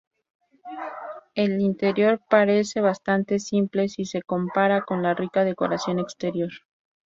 El interior parece bastante simple, si se compara con la rica decoración exterior.